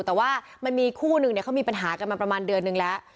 แต่ว่ามันมีคู่นึงเนี่ยเขามีปัญหากันมาประมาณเดือนนึงแล้ว